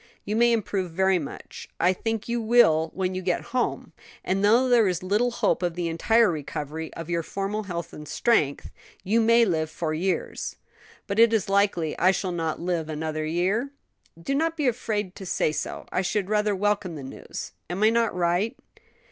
"You may improve very much: I think you will when you get home; and, though there is little hope of the entire recovery of your former health and strength, you may live for years." "But it is likely I shall not live another year? do not be afraid to say so: I should rather welcome the news. Am I not right?"